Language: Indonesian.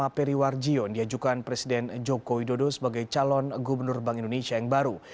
pertama periwar jion diajukan presiden joko widodo sebagai calon gubernur bank indonesia yang baru